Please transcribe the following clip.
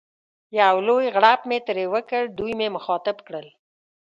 یو لوی غړپ مې ترې وکړ، دوی مې مخاطب کړل.